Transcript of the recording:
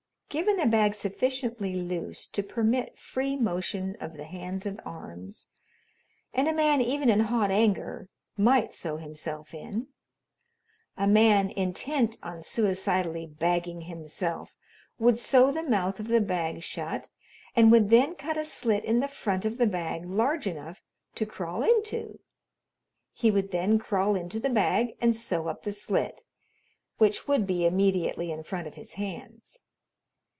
Given a bag sufficiently loose to permit free motion of the hands and arms, and a man, even in hot anger, might sew himself in. A man, intent on suicidally bagging himself, would sew the mouth of the bag shut and would then cut a slit in the front of the bag large enough to crawl into. He would then crawl into the bag and sew up the slit, which would be immediately in front of his hands.